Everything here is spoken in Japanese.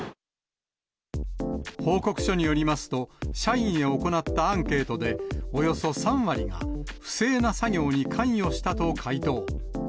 報告書によりますと、社員へ行ったアンケートで、およそ３割が不正な作業に関与したと回答。